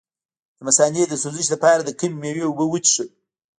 د مثانې د سوزش لپاره د کومې میوې اوبه وڅښم؟